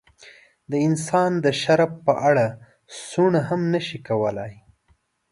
د انسان د شرف په اړه سوڼ هم نشي کولای.